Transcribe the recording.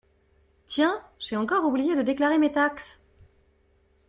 Tiens j'ai encore oublié de déclarer mes taxes.